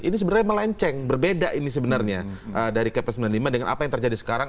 ini sebenarnya melenceng berbeda ini sebenarnya dari kp sembilan puluh lima dengan apa yang terjadi sekarang